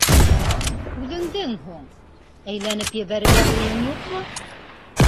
Үҙеңдең һуң... әйләнеп ебәрергә уйың юҡмы?